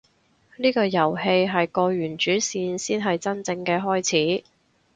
呢個遊戲係過完主線先係真正嘅開始